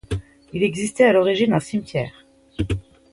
Il existait à l'origine un cimetière.